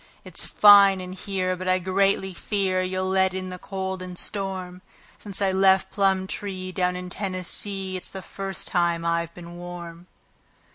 It's fine in here, but I greatly fear you'll let in the cold and storm Since I left Plumtree, down in Tennessee, it's the first time I've been warm."